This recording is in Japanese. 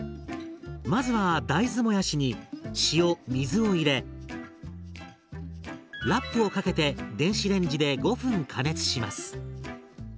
まずは大豆もやしに塩水を入れラップをかけて電子レンジで５分加熱します。